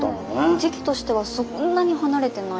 時期としてはそんなに離れてない。